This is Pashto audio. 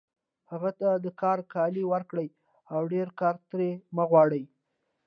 هغه ته د کار کالي ورکړئ او ډېر کار ترې مه غواړئ